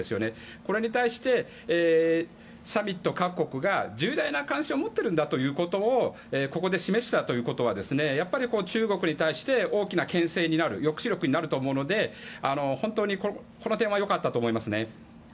これに対して、サミット各国が重大な関心を持ってるんだということをここで示したということはやっぱり中国に対して大きな牽制になる抑止力になると思うので本当にこの点は良かったと思います。